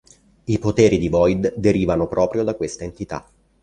I poteri di Void derivano proprio da questa entità.